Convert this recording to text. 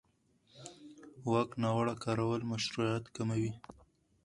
د واک ناوړه کارول مشروعیت کموي